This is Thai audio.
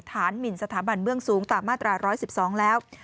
หมินสถาบันเบื้องสูงตามมาตรา๑๑๒แล้ว